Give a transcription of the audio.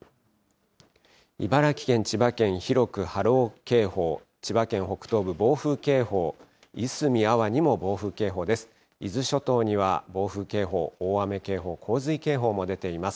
茨城県、千葉県、広く波浪警報、千葉県北東部、暴風警報、いすみ、安房にも暴風警報です。